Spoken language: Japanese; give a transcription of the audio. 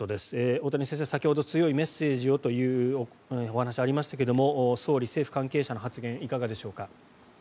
大谷先生、先ほど強いメッセージをというお話がありましたけれども総理、政府関係者の話いかがでしょうか。